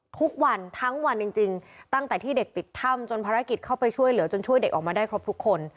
ทุกวันทั้งวันจริงตั้งแต่ที่เด็กติดถ้ำจนภารกิจเข้าไปช่วยเหลือจนช่วยเด็กออกมาได้ครบทุกคน